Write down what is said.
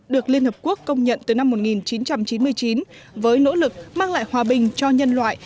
được liên hợp quốc công nhận từ năm một nghìn chín trăm chín mươi chín với nỗ lực mang lại hòa bình cho nhân loại